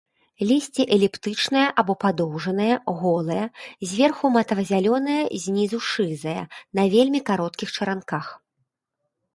Лісце эліптычнае або падоўжнае, голае, зверху матава-зялёнае, знізу шызае, на вельмі кароткіх чаранках.